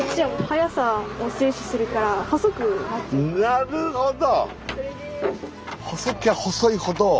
なるほど。